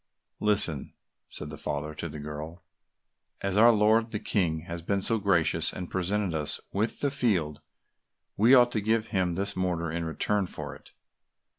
"Listen," said the father to the girl, "as our lord the King has been so gracious and presented us with the field, we ought to give him this mortar in return for it."